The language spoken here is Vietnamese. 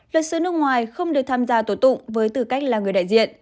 luật sư nước ngoài không được tham gia tổ tụng với tư cách là người đại diện